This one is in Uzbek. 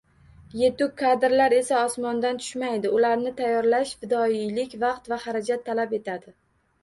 Yetuk kadrlar esa osmondan tushmaydi, ularni tayyorlash fidoyilik, vaqt va xarajat talab etadi.